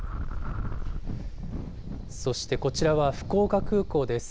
そしてこちらは福岡空港です。